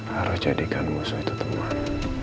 harus jadikan musuh itu teman